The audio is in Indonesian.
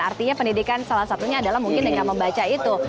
artinya pendidikan salah satunya adalah mungkin dengan membaca itu